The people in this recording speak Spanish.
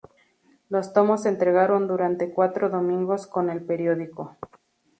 Los tomos se entregaron durante cuatro domingos con el periódico.